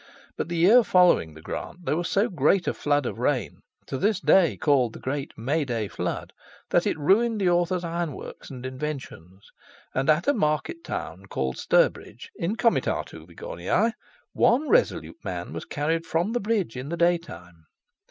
"But the year following the grant there was so great a flood of rain, to this day called the great May day flood, that it ruined the author's ironworks and inventions, and at a market town called Sturbridge, in comitatu Wigorniae, one resolute man was carried from the bridge in the day time."